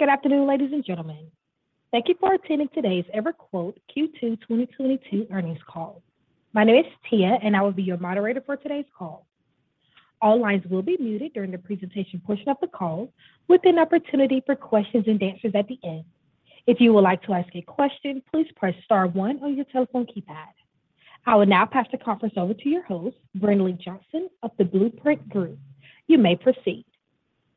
Good afternoon, ladies and gentlemen. Thank you for attending today's EverQuote Q2 2022 Earnings Call. My name is Tia, and I will be your moderator for today's call. All lines will be muted during the presentation portion of the call, with an opportunity for questions and answers at the end. If you would like to ask a question, please press star one on your telephone keypad. I will now pass the conference over to your host, Brinlea Johnson of The Blueshirt Group. You may proceed.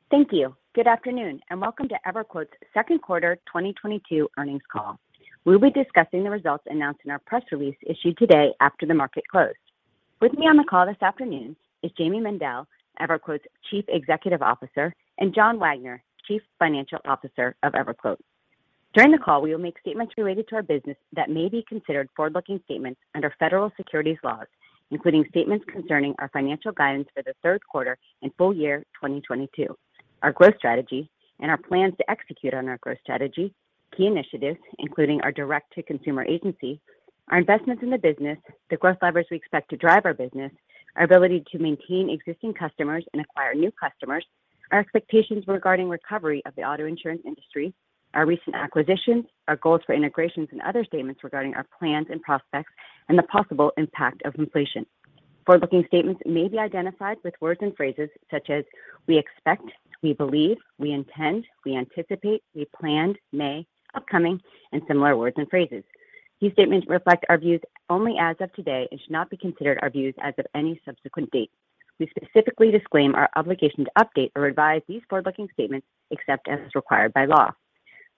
Thank you. Good afternoon, and welcome to EverQuote's Second Quarter 2022 Earnings Call. We'll be discussing the results announced in our press release issued today after the market closed. With me on the call this afternoon is Jayme Mendal, EverQuote's Chief Executive Officer, and John Wagner, Chief Financial Officer of EverQuote. During the call, we will make statements related to our business that may be considered forward-looking statements under federal securities laws, including statements concerning our financial guidance for the third quarter and full year 2022, our growth strategy and our plans to execute on our growth strategy, key initiatives, including our direct to consumer agency, our investments in the business, the growth levers we expect to drive our business, our ability to maintain existing customers and acquire new customers, our expectations regarding recovery of the auto insurance industry, our recent acquisitions, our goals for integrations and other statements regarding our plans and prospects, and the possible impact of inflation. Forward-looking statements may be identified with words and phrases such as we expect, we believe, we intend, we anticipate, we planned, may, upcoming, and similar words and phrases. These statements reflect our views only as of today and should not be considered our views as of any subsequent date. We specifically disclaim our obligation to update or revise these forward-looking statements except as required by law.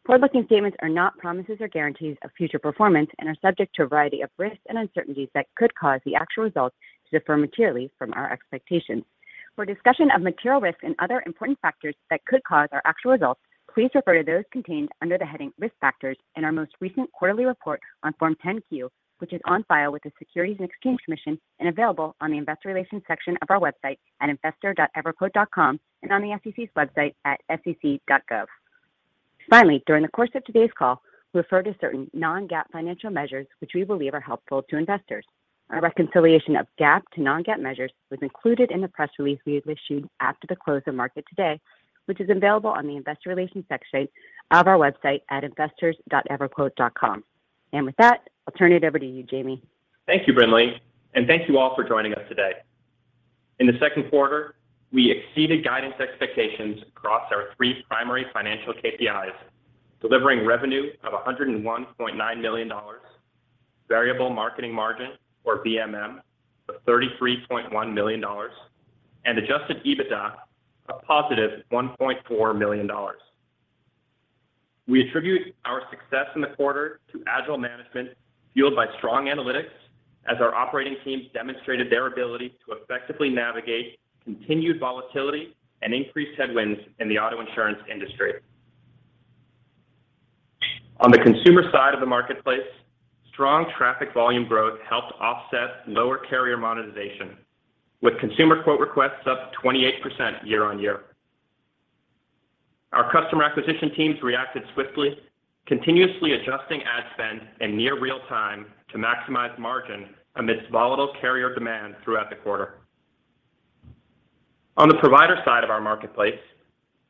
Forward-looking statements are not promises or guarantees of future performance and are subject to a variety of risks and uncertainties that could cause the actual results to differ materially from our expectations. For a discussion of material risks and other important factors that could cause our actual results, please refer to those contained under the heading Risk Factors in our most recent quarterly report on Form 10-Q, which is on file with the Securities and Exchange Commission and available on the investor relations section of our website at investors.everquote.com and on the SEC's website at sec.gov. Finally, during the course of today's call, we refer to certain non-GAAP financial measures which we believe are helpful to investors. Our reconciliation of GAAP to non-GAAP measures was included in the press release we had issued after the close of market today, which is available on the investor relations section of our website at investors.everquote.com. With that, I'll turn it over to you, Jayme. Thank you, Brinlea, and thank you all for joining us today. In the second quarter, we exceeded guidance expectations across our three primary financial KPIs, delivering revenue of $101.9 million, variable marketing margin or VMM of $33.1 million, and adjusted EBITDA of +$1.4 million. We attribute our success in the quarter to agile management fueled by strong analytics as our operating teams demonstrated their ability to effectively navigate continued volatility and increased headwinds in the auto insurance industry. On the consumer side of the marketplace, strong traffic volume growth helped offset lower carrier monetization, with consumer quote requests up 28% year-on-year. Our customer acquisition teams reacted swiftly, continuously adjusting ad spend in near real time to maximize margin amidst volatile carrier demand throughout the quarter. On the provider side of our marketplace,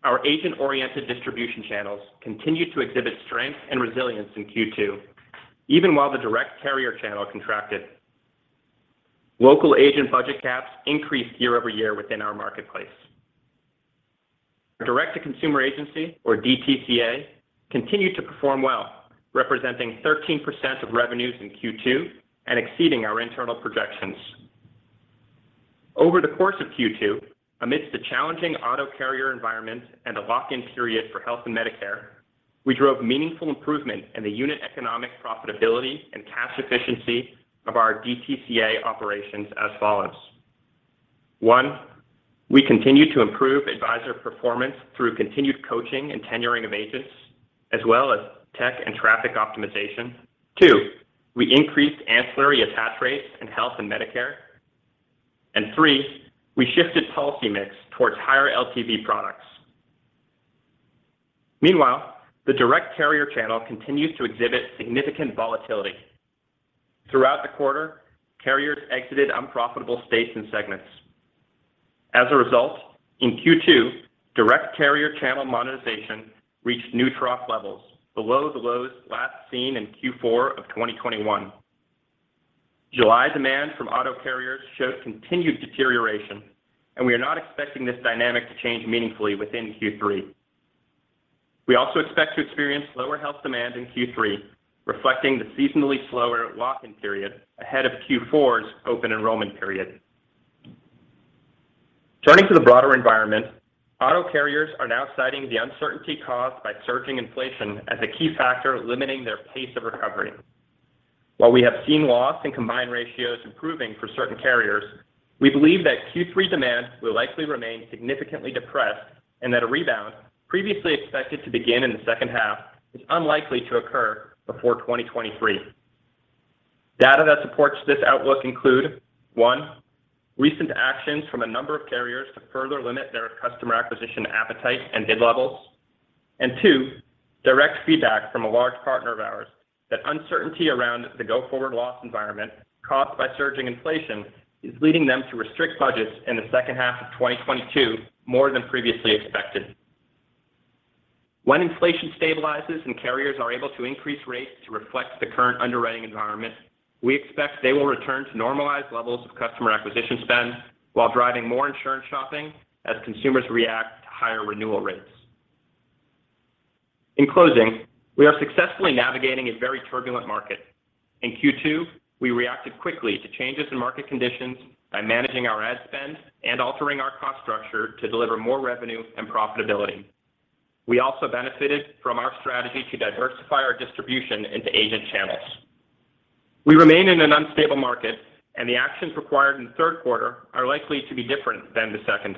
our agent-oriented distribution channels continued to exhibit strength and resilience in Q2, even while the direct carrier channel contracted. Local agent budget caps increased year-over-year within our marketplace. Our direct to consumer agency or DTCA continued to perform well, representing 13% of revenues in Q2 and exceeding our internal projections. Over the course of Q2, amidst the challenging auto carrier environment and a lock-in period for health and Medicare, we drove meaningful improvement in the unit economic profitability and cash efficiency of our DTCA operations as follows. One, we continued to improve advisor performance through continued coaching and tenuring of agents, as well as tech and traffic optimization. Two, we increased ancillary attach rates in health and Medicare. Three, we shifted policy mix towards higher LTV products. Meanwhile, the direct carrier channel continues to exhibit significant volatility. Throughout the quarter, carriers exited unprofitable states and segments. As a result, in Q2, direct carrier channel monetization reached new trough levels below the lows last seen in Q4 of 2021. July demand from auto carriers showed continued deterioration, and we are not expecting this dynamic to change meaningfully within Q3. We also expect to experience lower health demand in Q3, reflecting the seasonally slower lock-in period ahead of Q4's open enrollment period. Turning to the broader environment, auto carriers are now citing the uncertainty caused by surging inflation as a key factor limiting their pace of recovery. While we have seen loss and combined ratios improving for certain carriers, we believe that Q3 demand will likely remain significantly depressed and that a rebound previously expected to begin in the second half is unlikely to occur before 2023. Data that supports this outlook include, one, recent actions from a number of carriers to further limit their customer acquisition appetite and bid levels, and two, direct feedback from a large partner of ours that uncertainty around the go-forward loss environment caused by surging inflation is leading them to restrict budgets in the second half of 2022 more than previously expected. When inflation stabilizes and carriers are able to increase rates to reflect the current underwriting environment, we expect they will return to normalized levels of customer acquisition spend while driving more insurance shopping as consumers react to higher renewal rates. In closing, we are successfully navigating a very turbulent market. In Q2, we reacted quickly to changes in market conditions by managing our ad spend and altering our cost structure to deliver more revenue and profitability. We also benefited from our strategy to diversify our distribution into agent channels. We remain in an unstable market, and the actions required in the third quarter are likely to be different than the second.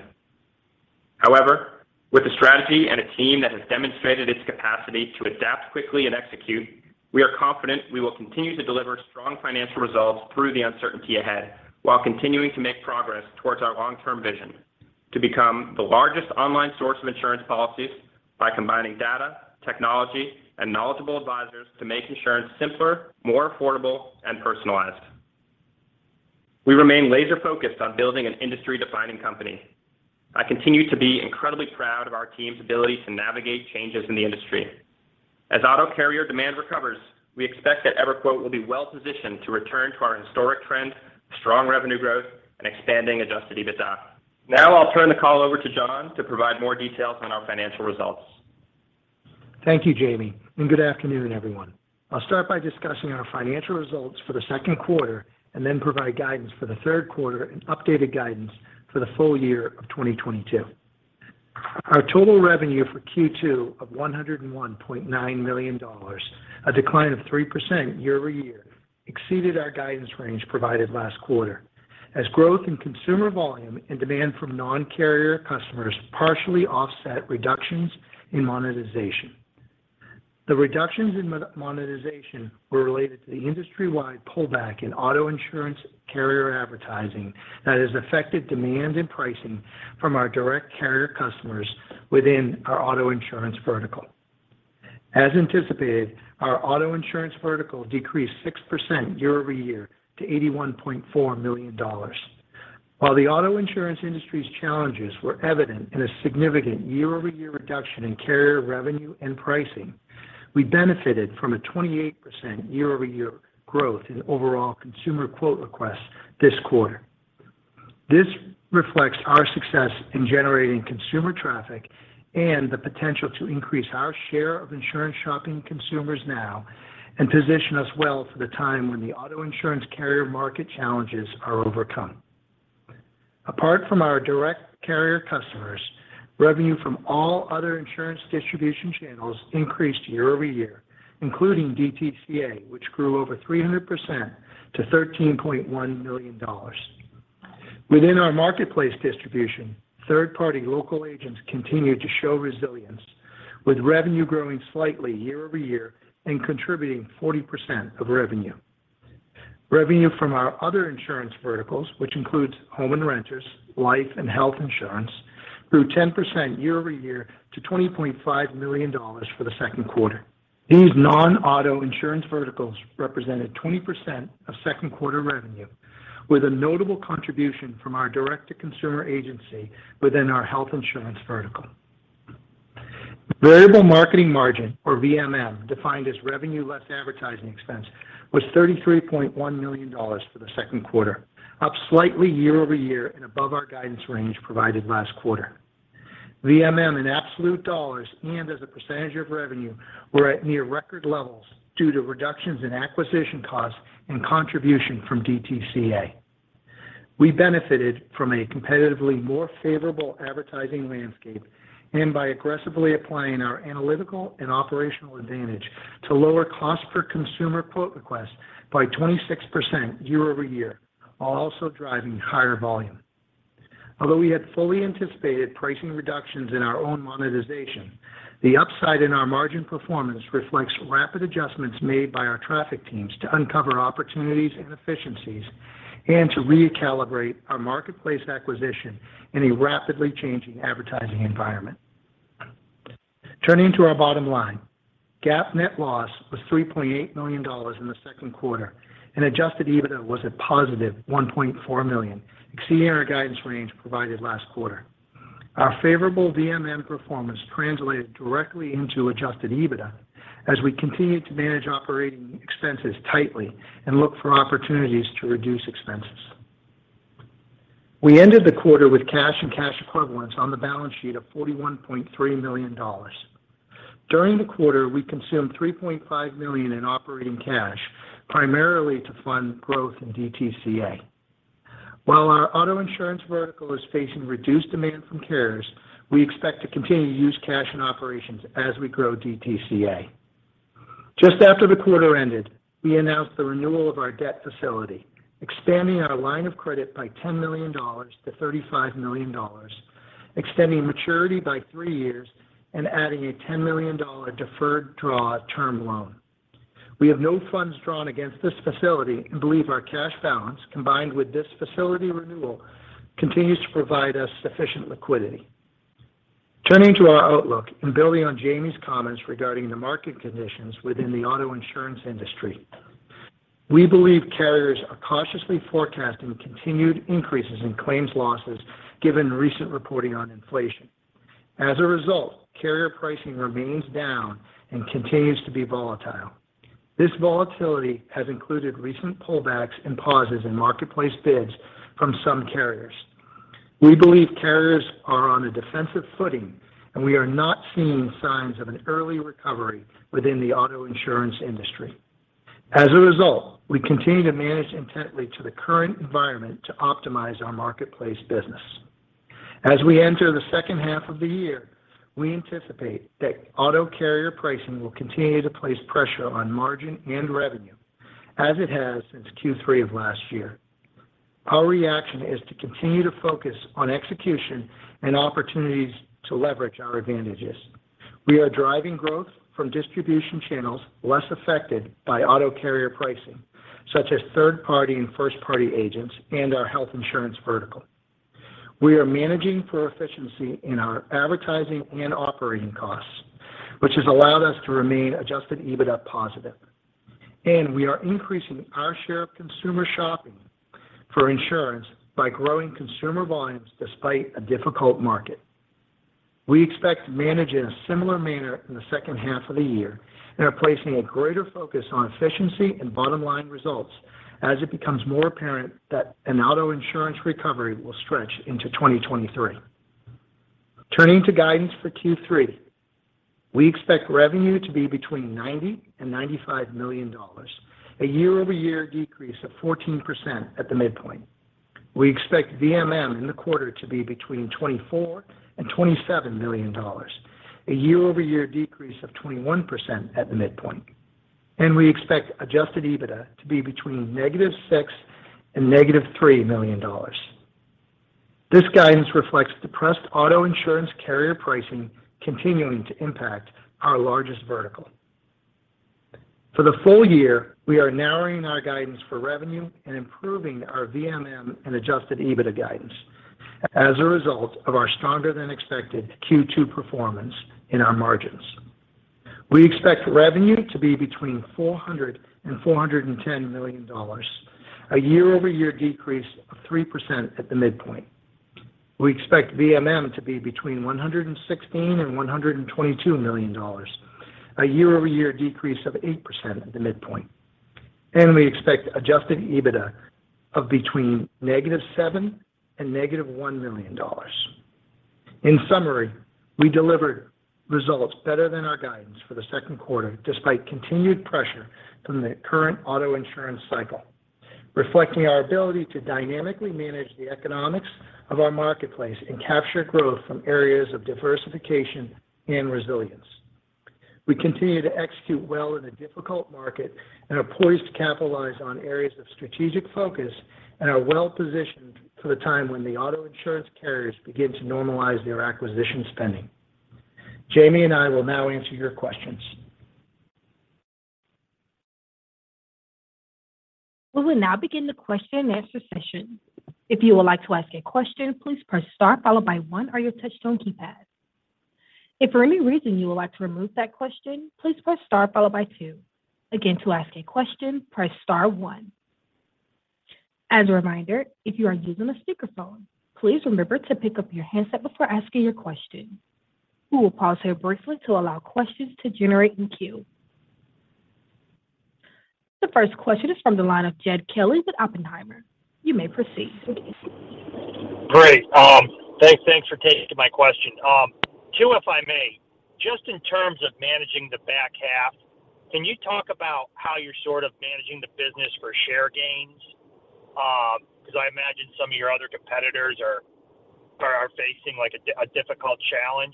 However, with a strategy and a team that has demonstrated its capacity to adapt quickly and execute, we are confident we will continue to deliver strong financial results through the uncertainty ahead while continuing to make progress towards our long-term vision, to become the largest online source of insurance policies by combining data, technology, and knowledgeable advisors to make insurance simpler, more affordable, and personalized. We remain laser-focused on building an industry-defining company. I continue to be incredibly proud of our team's ability to navigate changes in the industry. As auto carrier demand recovers, we expect that EverQuote will be well-positioned to return to our historic trend of strong revenue growth and expanding adjusted EBITDA. Now I'll turn the call over to John to provide more details on our financial results. Thank you, Jayme, and good afternoon, everyone. I'll start by discussing our financial results for the second quarter and then provide guidance for the third quarter and updated guidance for the full year of 2022. Our total revenue for Q2 of $101.9 million, a decline of 3% year-over-year, exceeded our guidance range provided last quarter as growth in consumer volume and demand from non-carrier customers partially offset reductions in monetization. The reductions in monetization were related to the industry-wide pullback in auto insurance carrier advertising that has affected demand and pricing from our direct carrier customers within our auto insurance vertical. As anticipated, our auto insurance vertical decreased 6% year-over-year to $81.4 million. While the auto insurance industry's challenges were evident in a significant year-over-year reduction in carrier revenue and pricing, we benefited from a 28% year-over-year growth in overall consumer quote requests this quarter. This reflects our success in generating consumer traffic and the potential to increase our share of insurance shopping consumers now and position us well for the time when the auto insurance carrier market challenges are overcome. Apart from our direct carrier customers, revenue from all other insurance distribution channels increased year-over-year, including DTCA, which grew over 300% to $13.1 million. Within our marketplace distribution, third-party local agents continued to show resilience, with revenue growing slightly year-over-year and contributing 40% of revenue. Revenue from our other insurance verticals, which includes home and renters, life and health insurance, grew 10% year-over-year to $20.5 million for the second quarter. These non-auto insurance verticals represented 20% of second quarter revenue, with a notable contribution from our direct-to-consumer agency within our health insurance vertical. Variable marketing margin, or VMM, defined as revenue less advertising expense, was $33.1 million for the second quarter, up slightly year-over-year and above our guidance range provided last quarter. VMM in absolute dollars and as a percentage of revenue were at near record levels due to reductions in acquisition costs and contribution from DTCA. We benefited from a competitively more favorable advertising landscape and by aggressively applying our analytical and operational advantage to lower cost per consumer quote request by 26% year-over-year, while also driving higher volume. Although we had fully anticipated pricing reductions in our own monetization, the upside in our margin performance reflects rapid adjustments made by our traffic teams to uncover opportunities and efficiencies and to recalibrate our marketplace acquisition in a rapidly changing advertising environment. Turning to our bottom line, GAAP net loss was $3.8 million in the second quarter, and adjusted EBITDA was positive $1.4 million, exceeding our guidance range provided last quarter. Our favorable VMM performance translated directly into adjusted EBITDA as we continued to manage operating expenses tightly and look for opportunities to reduce expenses. We ended the quarter with cash and cash equivalents on the balance sheet of $41.3 million. During the quarter, we consumed $3.5 million in operating cash, primarily to fund growth in DTCA. While our auto insurance vertical is facing reduced demand from carriers, we expect to continue to use cash in operations as we grow DTCA. Just after the quarter ended, we announced the renewal of our debt facility, expanding our line of credit by $10 million to $35 million, extending maturity by three years, and adding a $10 million deferred draw term loan. We have no funds drawn against this facility and believe our cash balance, combined with this facility renewal, continues to provide us sufficient liquidity. Turning to our outlook and building on Jayme's comments regarding the market conditions within the auto insurance industry. We believe carriers are cautiously forecasting continued increases in claims losses given recent reporting on inflation. As a result, carrier pricing remains down and continues to be volatile. This volatility has included recent pullbacks and pauses in marketplace bids from some carriers. We believe carriers are on a defensive footing, and we are not seeing signs of an early recovery within the auto insurance industry. As a result, we continue to manage intently to the current environment to optimize our marketplace business. As we enter the second half of the year, we anticipate that auto carrier pricing will continue to place pressure on margin and revenue as it has since Q3 of last year. Our reaction is to continue to focus on execution and opportunities to leverage our advantages. We are driving growth from distribution channels less affected by auto carrier pricing, such as third-party and first party agents and our health insurance vertical. We are managing for efficiency in our advertising and operating costs, which has allowed us to remain adjusted EBITDA positive. We are increasing our share of consumer shopping for insurance by growing consumer volumes despite a difficult market. We expect to manage in a similar manner in the second half of the year and are placing a greater focus on efficiency and bottom-line results as it becomes more apparent that an auto insurance recovery will stretch into 2023. Turning to guidance for Q3. We expect revenue to be between $90 million and $95 million, a year-over-year decrease of 14% at the midpoint. We expect VMM in the quarter to be between $24 million and $27 million, a year-over-year decrease of 21% at the midpoint. We expect adjusted EBITDA to be between -$6 million and -$3 million. This guidance reflects depressed auto insurance carrier pricing continuing to impact our largest vertical. For the full year, we are narrowing our guidance for revenue and improving our VMM and adjusted EBITDA guidance as a result of our stronger than expected Q2 performance in our margins. We expect revenue to be between $400 million and $410 million, a year-over-year decrease of 3% at the midpoint. We expect VMM to be between $116 million and $122 million, a year-over-year decrease of 8% at the midpoint. We expect adjusted EBITDA of between -$7 million and -$1 million. In summary, we delivered results better than our guidance for the second quarter, despite continued pressure from the current auto insurance cycle, reflecting our ability to dynamically manage the economics of our marketplace and capture growth from areas of diversification and resilience. We continue to execute well in a difficult market and are poised to capitalize on areas of strategic focus and are well positioned for the time when the auto insurance carriers begin to normalize their acquisition spending. Jayme and I will now answer your questions. We will now begin the question and answer session. If you would like to ask a question, please press star followed by one on your touchtone keypad. If for any reason you would like to remove that question, please press star followed by two. Again, to ask a question, press star one. As a reminder, if you are using a speakerphone, please remember to pick up your handset before asking your question. We will pause here briefly to allow questions to generate in queue. The first question is from the line of Jed Kelly with Oppenheimer. You may proceed. Great. Thanks for taking my question. Two if I may. Just in terms of managing the back half, can you talk about how you're sort of managing the business for share gains? Because I imagine some of your other competitors are facing like a difficult challenge.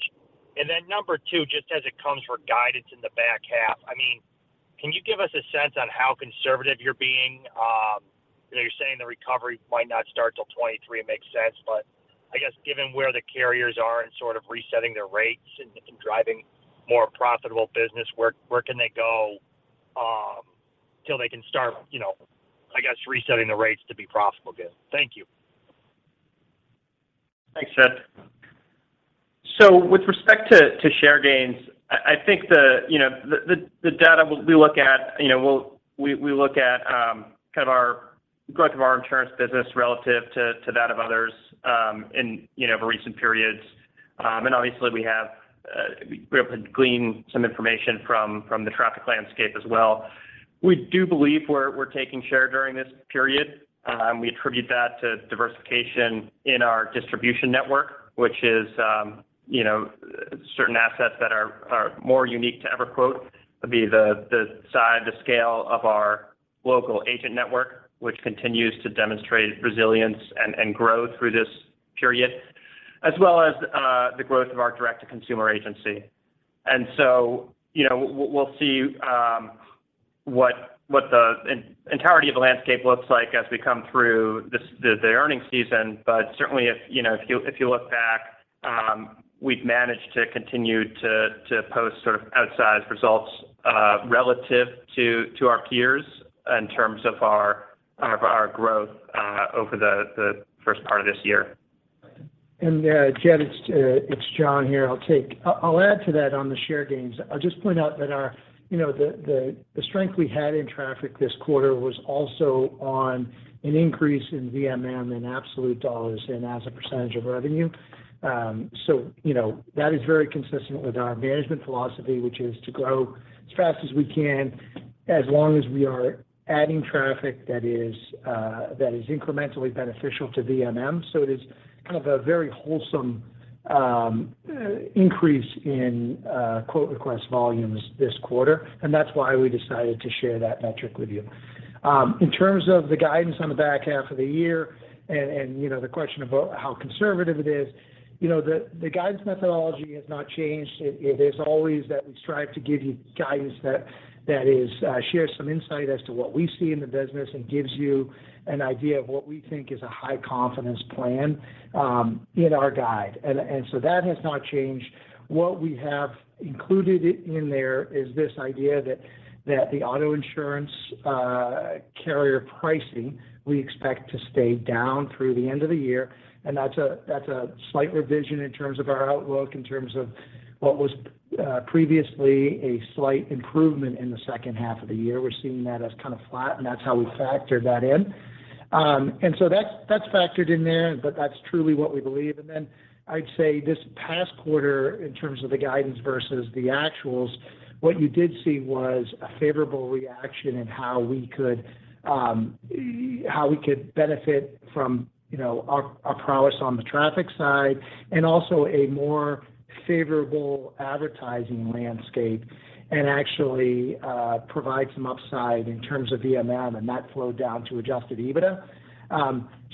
Then number two, just as it comes for guidance in the back half, I mean, can you give us a sense on how conservative you're being? You know, you're saying the recovery might not start till 2023. It makes sense. I guess, given where the carriers are in sort of resetting their rates and driving more profitable business, where can they go till they can start, you know, I guess resetting the rates to be profitable again? Thank you. Thanks, Jed. With respect to share gains, I think the data we look at, you know, we look at kind of our growth of our insurance business relative to that of others in you know over recent periods. Obviously we have, we're able to glean some information from the traffic landscape as well. We do believe we're taking share during this period. We attribute that to diversification in our distribution network, which is you know certain assets that are more unique to EverQuote. It'd be the size, the scale of our local agent network, which continues to demonstrate resilience and growth through this period, as well as the growth of our direct-to-consumer agency. You know, we'll see what the entirety of the landscape looks like as we come through this, the earnings season. But certainly if, you know, if you look back, we've managed to continue to post sort of outsized results, relative to our peers in terms of our Our growth over the first part of this year. Jed, it's John here. I'll add to that on the share gains. I'll just point out that our, you know, the strength we had in traffic this quarter was also on an increase in VMM in absolute dollars and as a percentage of revenue. You know, that is very consistent with our management philosophy, which is to grow as fast as we can as long as we are adding traffic that is incrementally beneficial to VMM. It is kind of a very wholesome increase in quote request volumes this quarter, and that's why we decided to share that metric with you. In terms of the guidance on the back half of the year and you know, the question about how conservative it is. You know, the guidance methodology has not changed. It is always that we strive to give you guidance that shares some insight as to what we see in the business and gives you an idea of what we think is a high confidence plan in our guide. That has not changed. What we have included in there is this idea that the auto insurance carrier pricing we expect to stay down through the end of the year, and that's a slight revision in terms of our outlook, in terms of what was previously a slight improvement in the second half of the year. We're seeing that as kind of flat, and that's how we factored that in. That's factored in there, but that's truly what we believe. I'd say this past quarter, in terms of the guidance versus the actuals, what you did see was a favorable reaction in how we could benefit from our prowess on the traffic side, and also a more favorable advertising landscape and actually provide some upside in terms of VMM and that flowed down to adjusted EBITDA.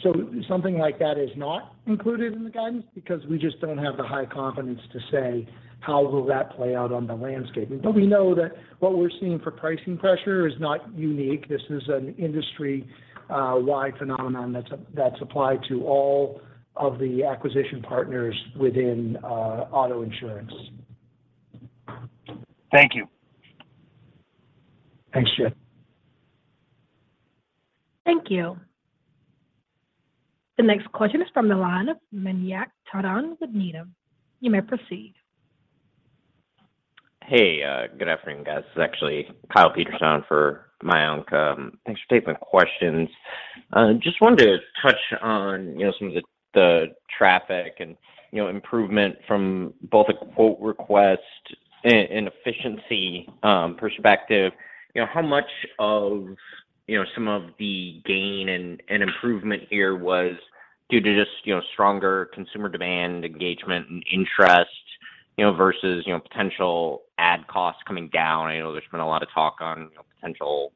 So something like that is not included in the guidance because we just don't have the high confidence to say how that will play out on the landscape. We know that what we're seeing for pricing pressure is not unique. This is an industry-wide phenomenon that's applied to all of the acquisition partners within auto insurance. Thank you. Thanks, Jed. Thank you. The next question is from the line of Mayank Tandon with Needham. You may proceed. Good afternoon, guys. This is actually Kyle Peterson for Mayank. Thanks for taking the questions. Just wanted to touch on, you know, some of the traffic and, you know, improvement from both a quote request and efficiency perspective. You know, how much of, you know, some of the gain and improvement here was due to just, you know, stronger consumer demand, engagement, and interest, you know, versus, you know, potential ad costs coming down? I know there's been a lot of talk on, you know, potential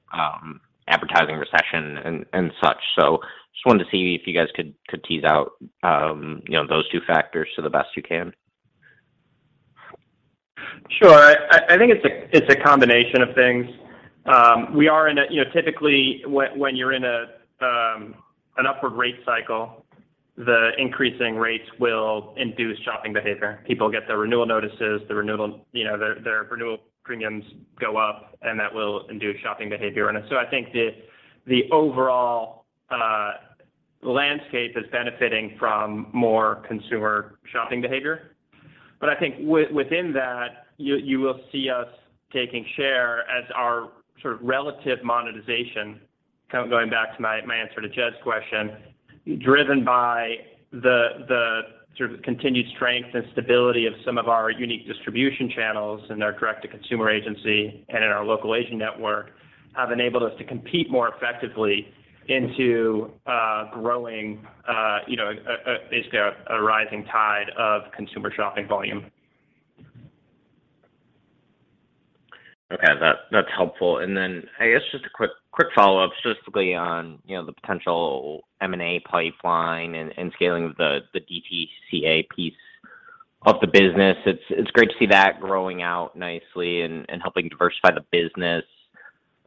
advertising recession and such. Just wanted to see if you guys could tease out, you know, those two factors to the best you can. Sure. I think it's a combination of things. We are in a, you know, typically when you're in an upward rate cycle, the increasing rates will induce shopping behavior. People get their renewal notices, you know, their renewal premiums go up, and that will induce shopping behavior. I think the overall landscape is benefiting from more consumer shopping behavior. I think within that, you will see us taking share as our sort of relative monetization, kind of going back to my answer to Jed's question, driven by the sort of continued strength and stability of some of our unique distribution channels and our direct-to-consumer agency and in our local agent network, have enabled us to compete more effectively into growing, you know, basically a rising tide of consumer shopping volume. Okay. That's helpful. Then I guess just a quick follow-up specifically on, you know, the potential M&A pipeline and scaling of the DTCA piece of the business. It's great to see that growing out nicely and helping diversify the business.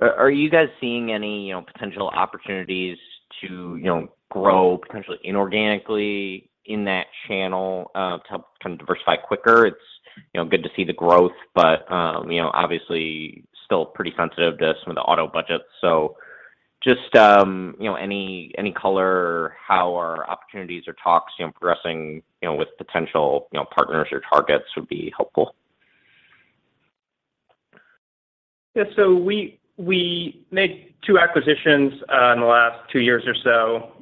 Are you guys seeing any, you know, potential opportunities to, you know, grow potentially inorganically in that channel, to help kind of diversify quicker? It's, you know, good to see the growth, but, you know, obviously still pretty sensitive to some of the auto budgets. Just, you know, any color how our opportunities or talks, you know, progressing, you know, with potential, you know, partners or targets would be helpful. Yeah. We made two acquisitions in the last two years or so.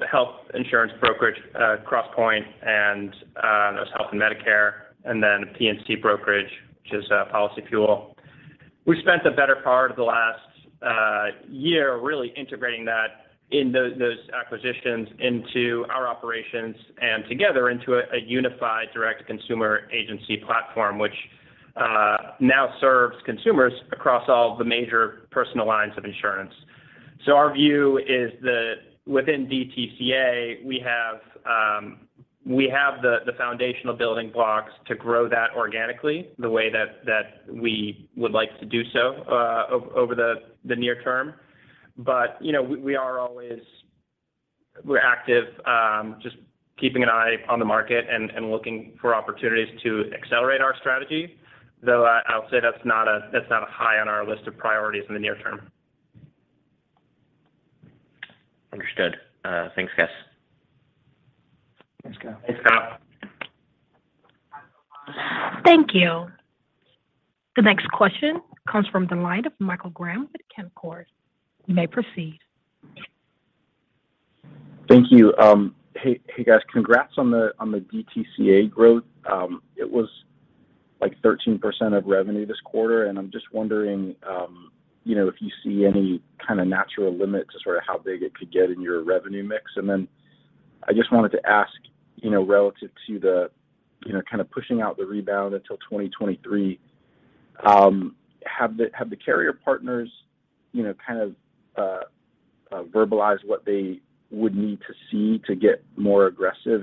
The health insurance brokerage, Crosspointe, and that was health and Medicare, and then a P&C brokerage, which is PolicyFuel. We spent the better part of the last year really integrating those acquisitions into our operations and together into a unified direct-to-consumer agency platform, which now serves consumers across all the major personal lines of insurance. Our view is that within DTCA, we have the foundational building blocks to grow that organically the way that we would like to do so over the near term. You know, we are always active, just keeping an eye on the market and looking for opportunities to accelerate our strategy, though I'll say that's not a high on our list of priorities in the near term. Understood. Thanks, guys. Thanks, guys. Thanks, guys. Thank you. The next question comes from the line of Michael Graham with Canaccord. You may proceed. Thank you. Hey guys. Congrats on the DTCA growth. It was like 13% of revenue this quarter, and I'm just wondering, you know, if you see any kind of natural limit to sort of how big it could get in your revenue mix. Then I just wanted to ask, you know, relative to the, you know, kind of pushing out the rebound until 2023, have the carrier partners, you know, kind of verbalized what they would need to see to get more aggressive?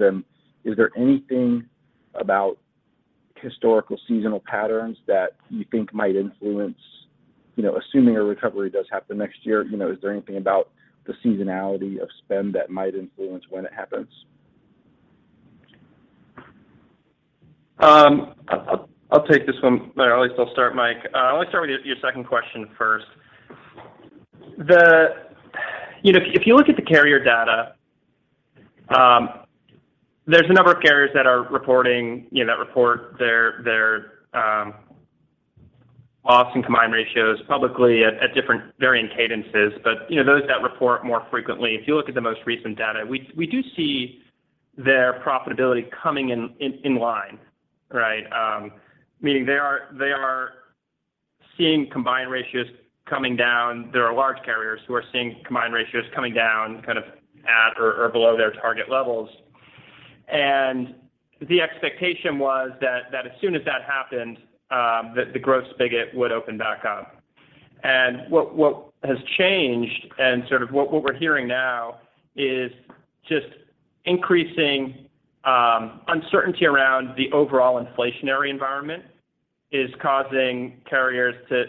Is there anything about historical seasonal patterns that you think might influence, you know, assuming a recovery does happen next year, you know, is there anything about the seasonality of spend that might influence when it happens? I'll take this one, or at least I'll start, Mike. I wanna start with your second question first. You know, if you look at the carrier data, there's a number of carriers that are reporting, you know, that report their loss and combined ratios publicly at different varying cadences. You know, those that report more frequently, if you look at the most recent data, we do see their profitability coming in line, right? Meaning they are seeing combined ratios coming down. There are large carriers who are seeing combined ratios coming down kind of at or below their target levels. The expectation was that as soon as that happened, the growth spigot would open back up. What has changed and sort of what we're hearing now is just increasing uncertainty around the overall inflationary environment is causing carriers to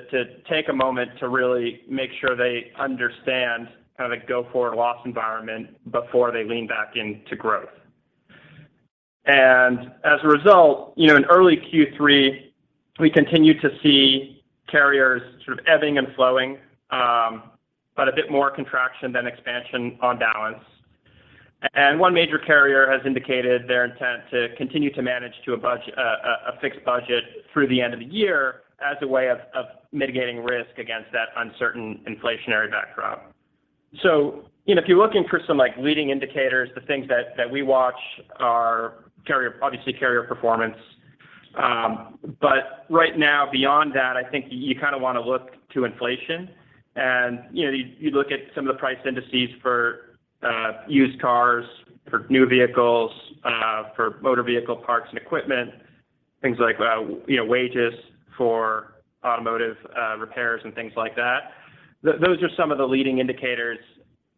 take a moment to really make sure they understand kind of the go-forward loss environment before they lean back into growth. As a result, you know, in early Q3, we continued to see carriers sort of ebbing and flowing, but a bit more contraction than expansion on balance. One major carrier has indicated their intent to continue to manage to a fixed budget through the end of the year as a way of mitigating risk against that uncertain inflationary backdrop. You know, if you're looking for some like leading indicators, the things that we watch are carrier performance, obviously. Right now beyond that, I think you kind of wanna look to inflation and, you know, you look at some of the price indices for used cars, for new vehicles, for motor vehicle parts and equipment, things like, you know, wages for automotive repairs and things like that. Those are some of the leading indicators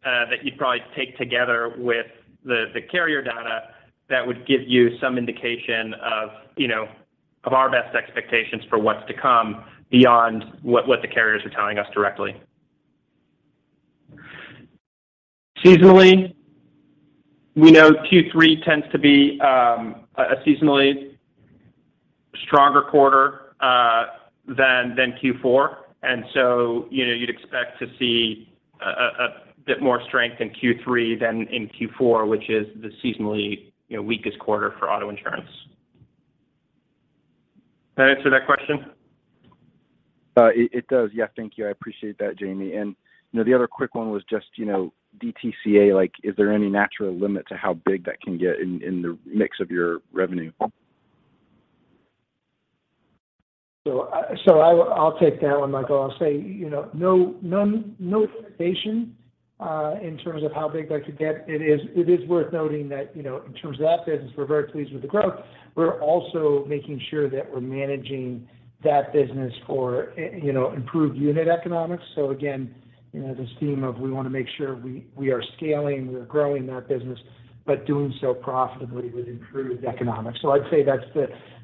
that you'd probably take together with the carrier data that would give you some indication of, you know, of our best expectations for what's to come beyond what the carriers are telling us directly. Seasonally, we know Q3 tends to be a seasonally stronger quarter than Q4, and so, you know, you'd expect to see a bit more strength in Q3 than in Q4, which is the seasonally, you know, weakest quarter for auto insurance. That answer that question? It does. Yeah. Thank you. I appreciate that, Jayme. You know, the other quick one was just, you know, DTCA, like, is there any natural limit to how big that can get in the mix of your revenue? I'll take that one, Michael. I'll say, you know, no limitation in terms of how big that could get. It is worth noting that, you know, in terms of that business, we're very pleased with the growth. We're also making sure that we're managing that business for, you know, improved unit economics. Again, you know, this theme of we wanna make sure we are scaling, we are growing that business, but doing so profitably with improved economics. I'd say that's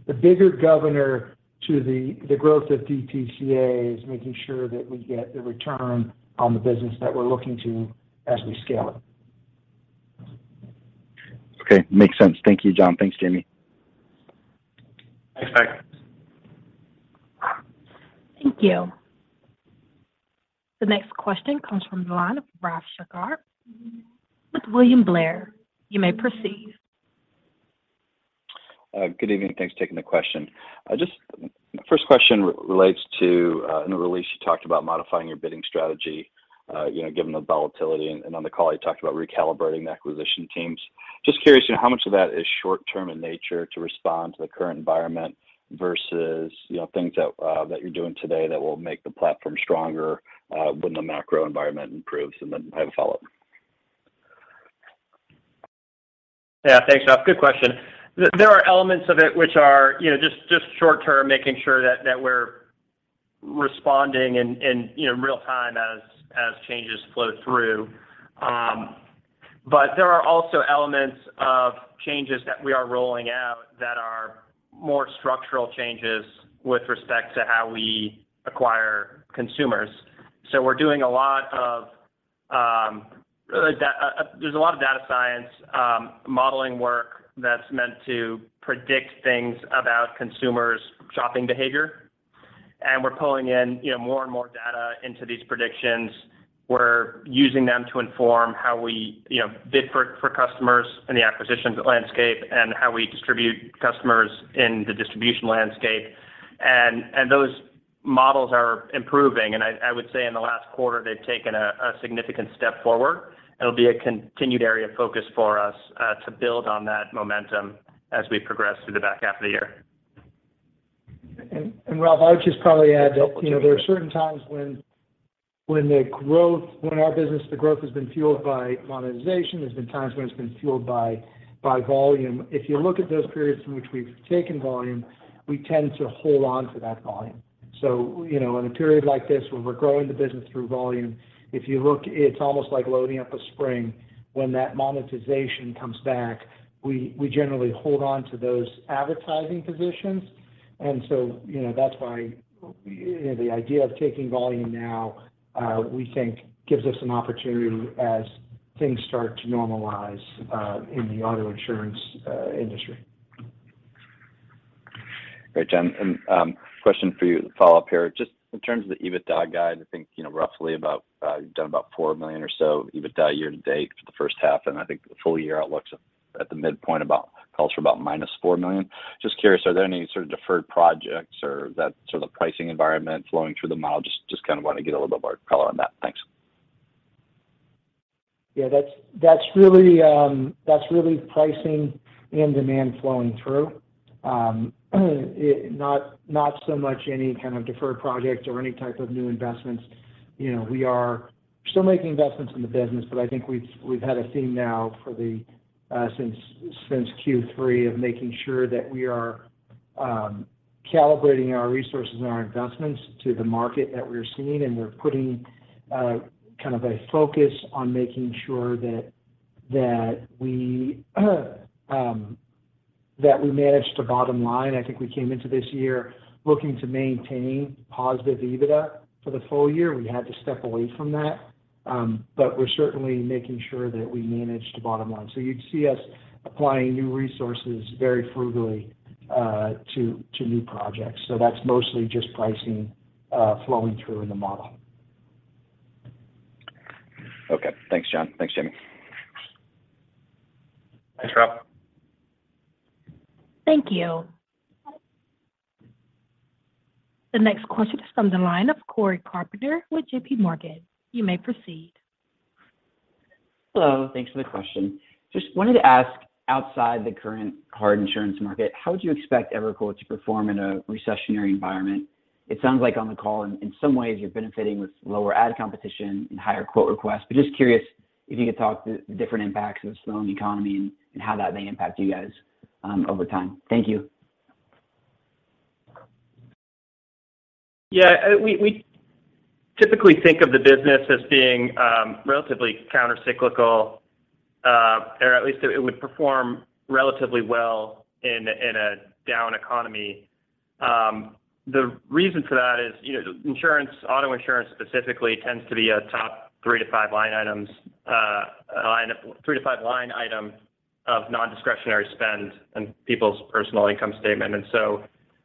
the bigger governor to the growth of DTCA is making sure that we get the return on the business that we're looking to as we scale it. Okay. Makes sense. Thank you, John. Thanks, Jayme. Thanks, Mike. Thank you. The next question comes from the line of Ralph Schackart with William Blair. You may proceed. Good evening. Thanks for taking the question. Just first question relates to, in the release you talked about modifying your bidding strategy, you know, given the volatility, and on the call you talked about recalibrating the acquisition teams. Just curious, how much of that is short term in nature to respond to the current environment versus, you know, things that you're doing today that will make the platform stronger, when the macro environment improves. Then I have a follow-up. Yeah. Thanks, Ralph. Good question. There are elements of it which are, you know, just short term, making sure that we're responding in, you know, real time as changes flow through. There are also elements of changes that we are rolling out that are more structural changes with respect to how we acquire consumers. There's a lot of data science modeling work that's meant to predict things about consumers' shopping behavior. We're pulling in, you know, more and more data into these predictions. We're using them to inform how we, you know, bid for customers in the acquisitions landscape and how we distribute customers in the distribution landscape. Those models are improving. I would say in the last quarter, they've taken a significant step forward. It'll be a continued area of focus for us, to build on that momentum as we progress through the back half of the year. Ralph, I would just probably add that, you know, there are certain times when in our business the growth has been fueled by monetization. There's been times when it's been fueled by volume. If you look at those periods in which we've taken volume, we tend to hold on to that volume. You know, in a period like this, when we're growing the business through volume, if you look, it's almost like loading up a spring. When that monetization comes back, we generally hold on to those advertising positions. You know, that's why, you know, the idea of taking volume now, we think gives us an opportunity as things start to normalize in the auto insurance industry. Great, John. Question for you to follow up here. Just in terms of the EBITDA guide, I think, roughly about, you've done about $4 million or so of EBITDA year to date for the first half, and I think the full year outlook's at the midpoint about calls for about -$4 million. Just curious, are there any sort of deferred projects or that sort of pricing environment flowing through the model? Just kind of want to get a little bit more color on that. Thanks. Yeah, that's really pricing and demand flowing through. Not so much any kind of deferred project or any type of new investments. You know, we are still making investments in the business, but I think we've had a theme now since Q3 of making sure that we are calibrating our resources and our investments to the market that we're seeing, and we're putting kind of a focus on making sure that we manage to bottom line. I think we came into this year looking to maintain positive EBITDA for the full year. We had to step away from that. We're certainly making sure that we manage to bottom line. You'd see us applying new resources very frugally to new projects. That's mostly just pricing, flowing through in the model. Okay. Thanks, John. Thanks, Jayme. Thanks, Ralph. Thank you. The next question is from the line of Cory Carpenter with JPMorgan. You may proceed. Hello. Thanks for the question. Just wanted to ask, outside the current hard insurance market, how would you expect EverQuote to perform in a recessionary environment? It sounds like on the call, in some ways, you're benefiting with lower ad competition and higher quote requests. Just curious if you could talk to the different impacts of a slowing economy and how that may impact you guys over time. Thank you. Yeah. We typically think of the business as being relatively countercyclical, or at least it would perform relatively well in a down economy. The reason for that is, you know, insurance, auto insurance specifically, tends to be a top three to five line items of non-discretionary spend in people's personal income statement.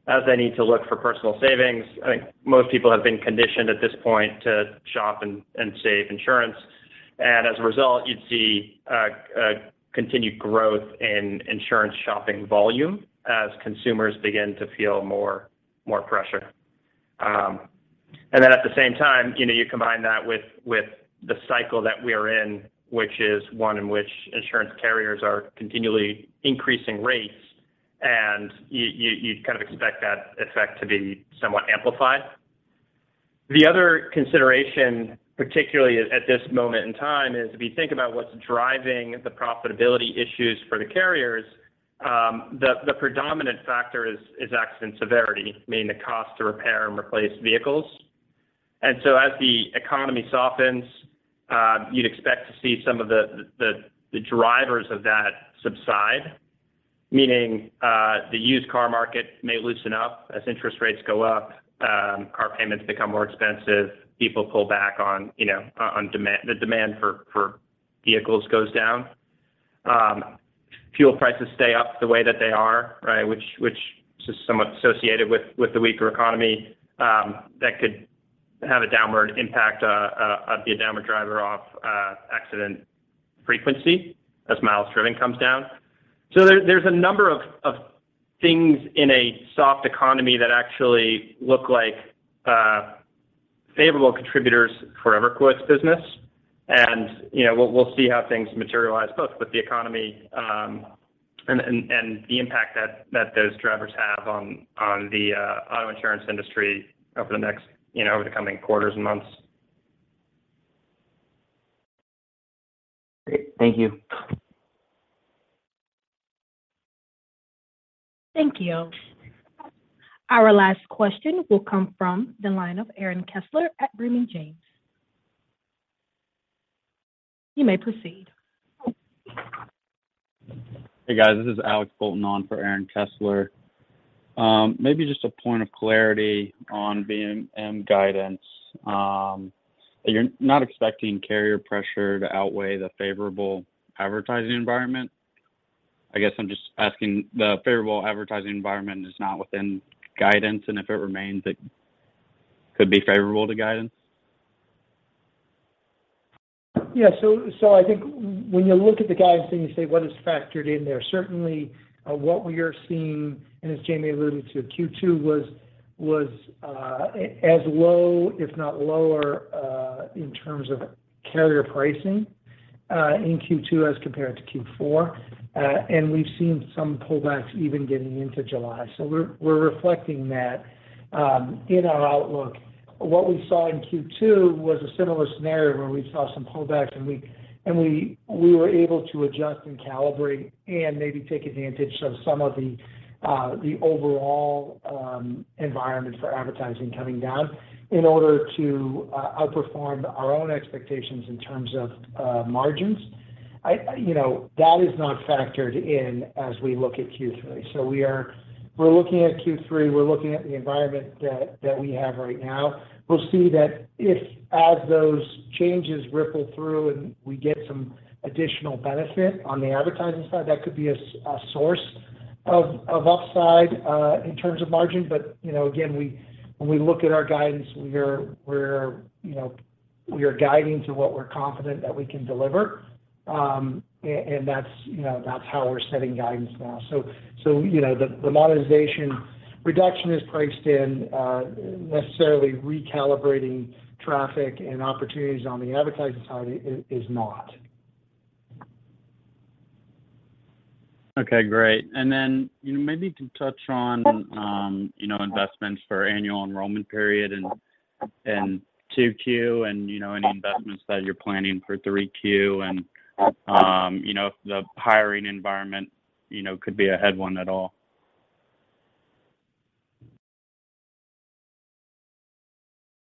As they need to look for personal savings, I think most people have been conditioned at this point to shop and save insurance. As a result, you'd see continued growth in insurance shopping volume as consumers begin to feel more pressure. At the same time, you know, you combine that with the cycle that we are in, which is one in which insurance carriers are continually increasing rates, and you kind of expect that effect to be somewhat amplified. The other consideration, particularly at this moment in time, is if you think about what's driving the profitability issues for the carriers, the predominant factor is accident severity, meaning the cost to repair and replace vehicles. As the economy softens, you'd expect to see some of the drivers of that subside, meaning the used car market may loosen up as interest rates go up, car payments become more expensive, people pull back on, you know, on demand, the demand for vehicles goes down. Fuel prices stay up the way that they are, right, which is somewhat associated with the weaker economy, that could have a downward impact, be a downward driver of accident frequency as miles driven comes down. There's a number of things in a soft economy that actually look like favorable contributors for EverQuote's business. You know, we'll see how things materialize both with the economy and the impact that those drivers have on the auto insurance industry over the next, you know, over the coming quarters and months. Great. Thank you. Thank you. Our last question will come from the line of Aaron Kessler at Raymond James. You may proceed. Hey guys, this is Alex Bolton on for Aaron Kessler. Maybe just a point of clarity on VMM guidance. You're not expecting carrier pressure to outweigh the favorable advertising environment? I guess I'm just asking, the favorable advertising environment is not within guidance, and if it remains, it could be favorable to guidance. I think when you look at the guidance and you say, what is factored in there? Certainly, what we are seeing, and as Jayme alluded to, Q2 was as low if not lower in terms of carrier pricing in Q2 as compared to Q4. We've seen some pullbacks even getting into July. We're reflecting that in our outlook. What we saw in Q2 was a similar scenario where we saw some pullbacks, and we were able to adjust and calibrate and maybe take advantage of some of the overall environment for advertising coming down in order to outperform our own expectations in terms of margins. You know, that is not factored in as we look at Q3. We are looking at Q3, looking at the environment that we have right now. We'll see that if as those changes ripple through and we get some additional benefit on the advertising side, that could be a source of upside in terms of margin. You know, again, when we look at our guidance, we are guiding to what we're confident that we can deliver. And that's, you know, how we're setting guidance now. You know, the monetization reduction is priced in, necessarily recalibrating traffic and opportunities on the advertising side is not. Okay, great. You know, maybe to touch on, you know, investments for annual enrollment period in 2Q and, you know, any investments that you're planning for 3Q and, you know, if the hiring environment, you know, could be a headwind at all?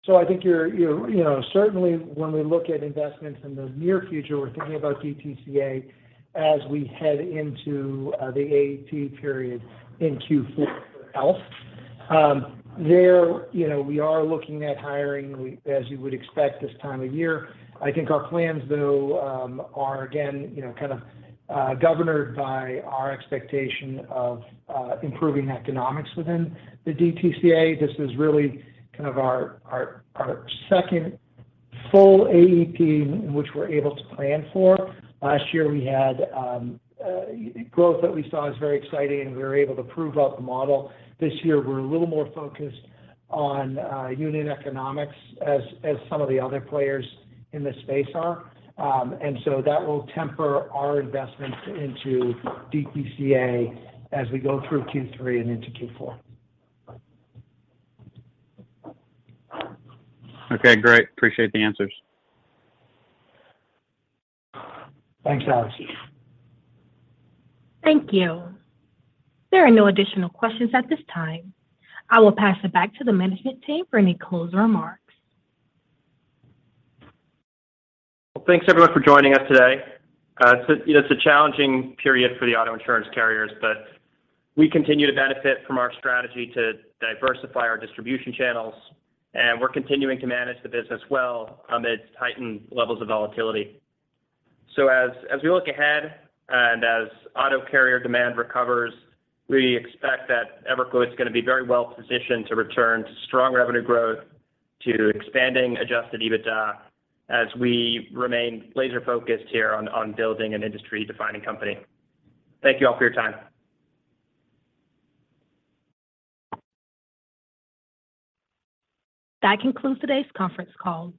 I think you're you know, certainly when we look at investments in the near future, we're thinking about DTCA as we head into the AEP period in Q4 health. There, you know, we are looking at hiring as you would expect this time of year. I think our plans, though, are again, you know, kind of governed by our expectation of improving economics within the DTCA. This is really kind of our second full AEP which we're able to plan for. Last year we had growth that we saw as very exciting, and we were able to prove out the model. This year we're a little more focused on unit economics as some of the other players in this space are. That will temper our investments into DTCA as we go through Q3 and into Q4. Okay, great. Appreciate the answers. Thanks, Alex. Thank you. There are no additional questions at this time. I will pass it back to the management team for any closing remarks. Well, thanks everyone for joining us today. You know, it's a challenging period for the auto insurance carriers, but we continue to benefit from our strategy to diversify our distribution channels, and we're continuing to manage the business well amidst heightened levels of volatility. As we look ahead and as auto carrier demand recovers, we expect that EverQuote's gonna be very well positioned to return to strong revenue growth, to expanding adjusted EBITDA as we remain laser focused here on building an industry-defining company. Thank you all for your time. That concludes today's conference call.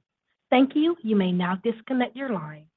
Thank you. You may now disconnect your line.